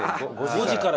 ５時から。